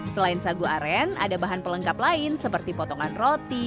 selain sagu aren ada bahan pelengkap lain seperti potongan roti